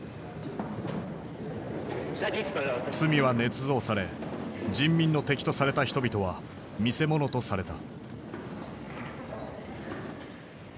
罪はねつ造され人民の敵とされた人々は見せ物とされた。